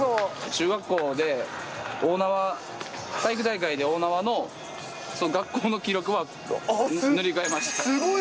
中学校で、大縄、体育大会で大縄の学校の記録は塗り替えました。